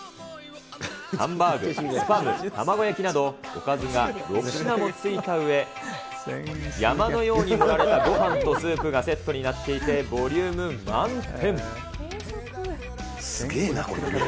ハンバーグ、スパム、卵焼きなど、おかずが６品も付いたうえ、山のように盛られたごはんとスープがセットになっていて、ボリュすげーな、この量。